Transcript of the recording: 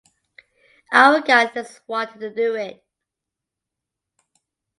Our guys just wanted to do it.